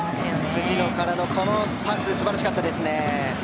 藤野からの、このパス素晴らしかったですね。